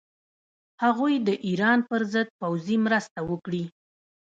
هغوی د ایران پر ضد پوځي مرسته وکړي.